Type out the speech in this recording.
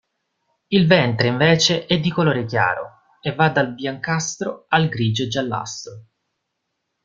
Il ventre invece è di colore chiaro, e va dal biancastro al grigio-giallastro.